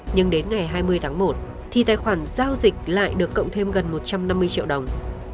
nhưng đến ngày hai mươi tháng một thì tài khoản giao dịch lại được cộng thêm gần một trăm năm mươi triệu đồng